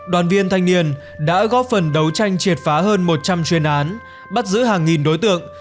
đoàn viên thanh niên đã góp phần đấu tranh triệt phá hơn một trăm linh chuyên án bắt giữ hàng nghìn đối tượng